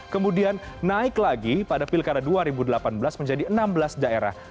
kemudian naik lagi pada pilkada dua ribu delapan belas menjadi enam belas daerah